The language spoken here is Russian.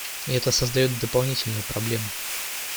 И это создает дополнительную проблему.